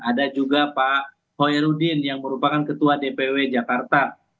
ada juga pak hoirudin yang merupakan ketua dpw jakarta